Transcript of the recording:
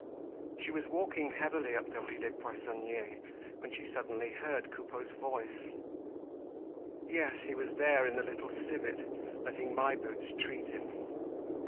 She was walking heavily up the Rue des Poissonniers when she suddenly heard Coupeau's voice. Yes, he was there in the Little Civet, letting My Boots treat him.